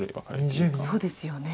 そうですよね。